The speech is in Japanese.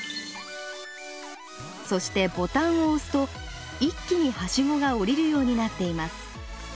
そしてボタンを押すと一気にはしごがおりるようになっています。